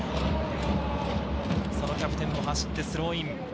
そのキャプテンも走ってスローイン。